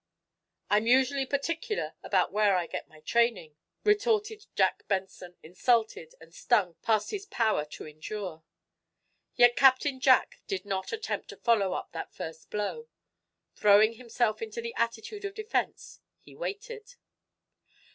"I'm usually particular about where I get my training," retorted Jack Benson, insulted and stung past his power to endure. Yet Captain Jack did not attempt to follow up that first blow. Throwing himself into the attitude of defense, he waited.